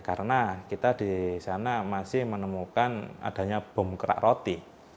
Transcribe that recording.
karena kita di sana masih menemukan adanya bom kerak roti